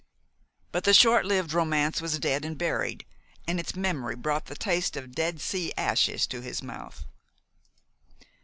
But the short lived romance was dead and buried, and its memory brought the taste of Dead Sea ashes to the mouth.